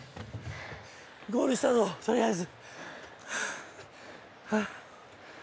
ゴールしたぞとりあえず。